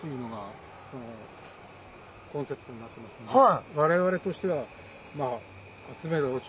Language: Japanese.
はい。